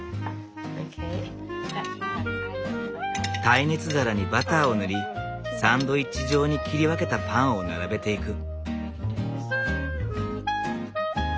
耐熱皿にバターを塗りサンドイッチ状に切り分けたパンを並べていく。